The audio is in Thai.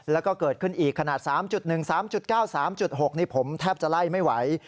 แล้วก็เกิดขึ้นอีกขนาด๓๑๓๙๓๖นี่ผมแทบจะไล่ไม่ไหว